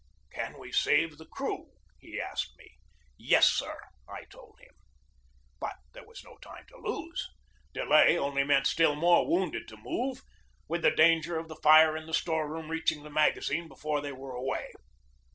"Can we save the crew?" he asked me. "Yes, sir!" I told him. But there was no time to lose. Delay only meant still more wounded to move, with the danger of the fire in the store room reaching the magazine before they were away.